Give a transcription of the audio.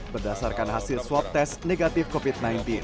berdasarkan hasil swab tes negatif covid sembilan belas